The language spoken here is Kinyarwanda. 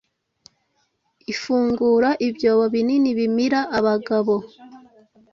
Ifungura ibyobo binini bimira abagabo